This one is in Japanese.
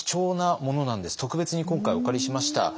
特別に今回お借りしました。